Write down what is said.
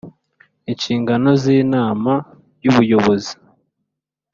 Inshingano z Inama y Ubuyobozi